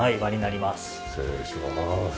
失礼します。